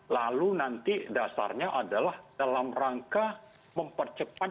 lalu nanti dasarnya adalah dalam rangka mempercepat